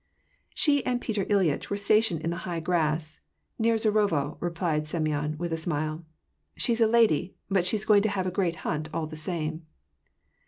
"She and Piotr llyitch were stationed in the high grass* near Zharovo," replied Semyon, with a smile. " She's a lady, but she's going to have a great hunt all the same.''